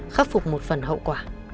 khắc phục một phần hậu quả